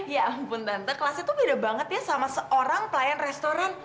ya ampun tante kelasnya tuh beda banget ya sama seorang pelayan restoran